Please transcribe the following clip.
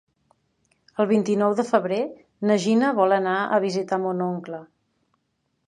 El vint-i-nou de febrer na Gina vol anar a visitar mon oncle.